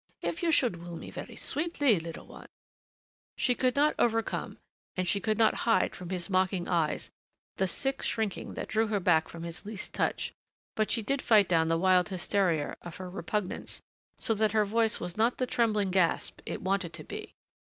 If you should woo me very sweetly, little one " She could not overcome and she could not hide from his mocking eyes the sick shrinking that drew her back from his least touch. But she did fight down the wild hysteria of her repugnance so that her voice was not the trembling gasp it wanted to be.